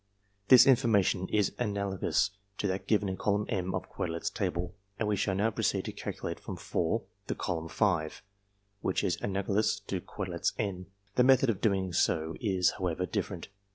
This information is analogous to that given in Column M of Quetelet's table, and we shall now proceed to calculate from IV. the Column V. which is analogous to Quetelet's N. The method of doing so is, however, different.